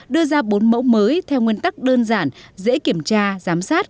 đưa ra bốn mẫu mới theo nguyên tắc đơn giản dễ kiểm tra giám sát